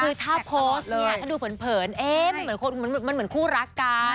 คือถ้าโพสต์เนี่ยถ้าดูเผินมันเหมือนคู่รักกัน